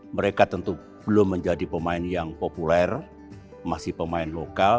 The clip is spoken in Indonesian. mereka tentu belum menjadi pemain yang populer masih pemain lokal